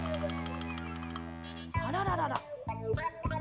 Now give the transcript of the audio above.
あらららら。